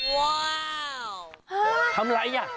ว้าวทำไรนี่